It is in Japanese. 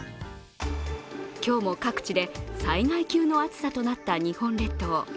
今日も各地で災害級の暑さとなった日本列島。